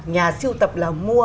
nhà siêu tập là mua